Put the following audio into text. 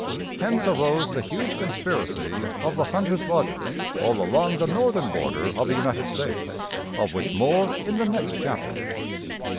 Hence arose the huge conspiracy of the 'Hunters' Lodges' all along the northern border of the United States, of which more in the next chapter.